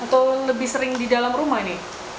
atau lebih sering di dalam rumah ini